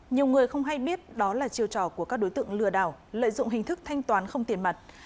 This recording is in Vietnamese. nhiều người không hay biết đó là chiêu trò của các đối tượng lừa đảo lợi dụng hình thức thanh toán không tiền mặt